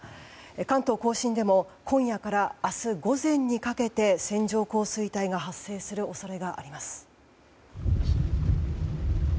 関東・甲信でも今夜から明日午前にかけて線状降水帯が発生する恐れがあります。